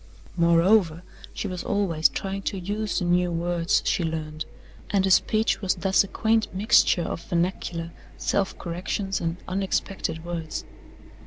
Moreover, she was always trying to use the new words she learned, and her speech was thus a quaint mixture of vernacular, self corrections and unexpected words.